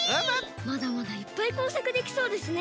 まだまだいっぱいこうさくできそうですね。